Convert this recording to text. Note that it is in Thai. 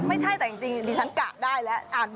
ไม่ใช่แต่จริงดิฉันกะได้แล้วอ่านบ่อย